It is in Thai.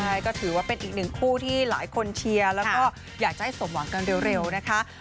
ใช่ก็ถือว่าเป็นอีกหนึ่งคู่ที่หลายคนเชียร์แล้วก็อยากจะให้สมหวังกันเร็วนะคะ